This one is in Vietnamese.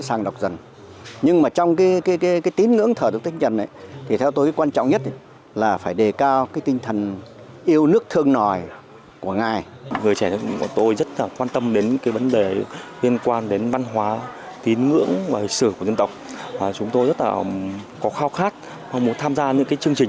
hãy đăng ký kênh để ủng hộ kênh của mình nhé